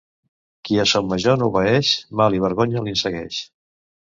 Qui a son major no obeeix, mal i vergonya li'n segueix.